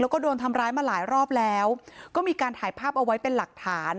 แล้วก็โดนทำร้ายมาหลายรอบแล้วก็มีการถ่ายภาพเอาไว้เป็นหลักฐาน